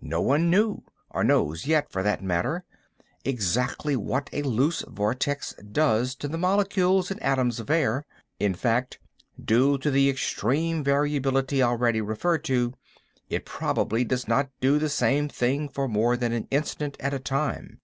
No one knew—or knows yet, for that matter—exactly what a loose vortex does to the molecules and atoms of air. In fact, due to the extreme variability already referred to, it probably does not do the same thing for more than an instant at a time.